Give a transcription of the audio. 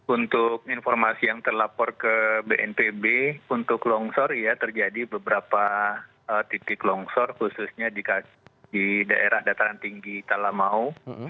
untuk informasi yang terlapor ke bnpb untuk longsor ya terjadi beberapa titik longsor khususnya di daerah dataran tinggi talamau